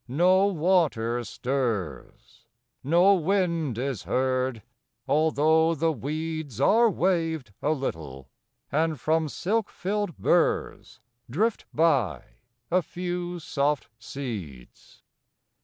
no water stirs; No wind is heard; although the weeds Are waved a little; and from silk filled burrs Drift by a few soft seeds.